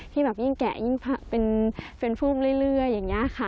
ที่แบบยิ่งแกะยิ่งเป็นพุ่มเรื่อยอย่างนี้ค่ะ